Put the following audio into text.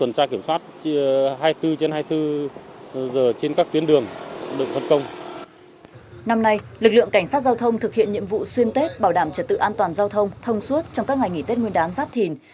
năm nay lực lượng cảnh sát giao thông thực hiện nhiệm vụ xuyên tết bảo đảm trật tự an toàn giao thông thông suốt trong các ngày nghỉ tết nguyên đán giáp thìn